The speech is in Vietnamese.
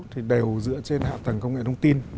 thì đều dựa trên hạ tầng công nghệ thông tin